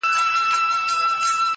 • د ازل تقسيم باغوان يم پيدا کړی,